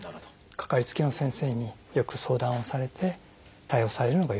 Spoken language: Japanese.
かかりつけの先生によく相談をされて対応されるのがよいと思います。